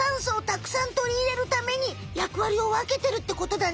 たくさんとりいれるためにやくわりをわけてるってことだね。